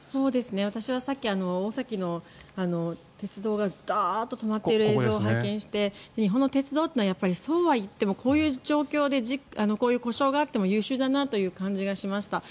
私はさっき大崎の鉄道がダーッと止まっている映像を拝見して日本の鉄道は、そうはいってもこういう故障があっても優秀だなという感じがしました。